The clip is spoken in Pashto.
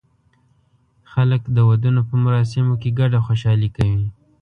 خلک د ودونو په مراسمو کې ګډه خوشالي کوي.